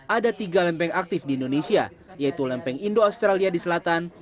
ada tiga lempeng aktif di indonesia yaitu lempeng indo australia di selatan